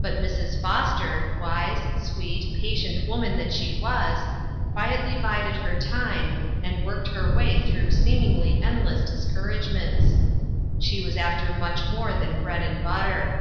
But Mrs. Foster, wise, sweet, patient wo man that she was, quietly bided her time, and worked her way through seemingly end less discouragements. She was after much more than bread and butter.